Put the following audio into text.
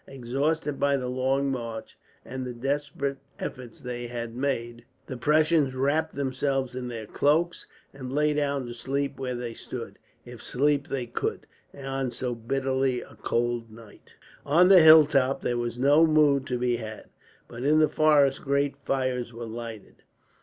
Exhausted by the long march and the desperate efforts they had made, the Prussians wrapped themselves in their cloaks, and lay down to sleep where they stood if sleep they could, on so bitterly cold a night. On the hilltop there was no wood to be had, but in the forest great fires were lighted.